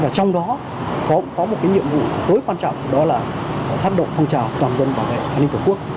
trong đó cũng có một cái nhiệm vụ tối quan trọng đó là phát động phong trào toàn dân bảo vệ an ninh tổ quốc